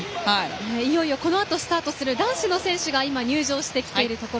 いよいよこのあとスタートする男子の選手が入場しています。